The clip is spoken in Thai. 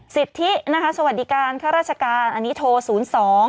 สิทธิสวัสดีการณ์ข้าราชการอันนี้โทร๐๒๒๗๐๖๔๐๐